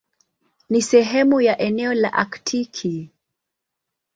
Ni sehemu ya eneo la Aktiki.